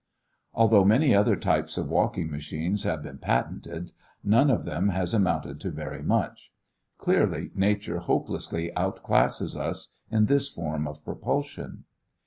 Although many other types of walking machines have been patented, none of them has amounted to very much. Clearly, nature hopelessly outclasses us in this form of propulsion.